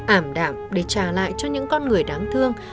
ảm đạm để trả lại cho những con người đáng thương